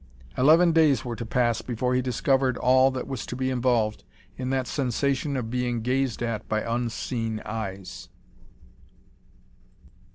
Eleven days were to pass before he discovered all that was to be involved in that sensation of being gazed at by unseen eyes.